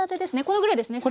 このぐらいですね。